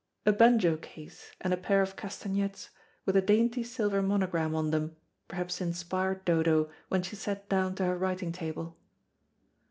A banjo case and a pair of castanets, with a dainty silver monogram on them, perhaps inspired Dodo when she sat down to her writing table.